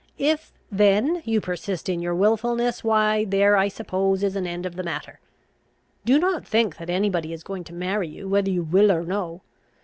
If then you persist in your wilfulness, why there, I suppose, is an end of the matter. Do not think that any body is going to marry you, whether you will or no.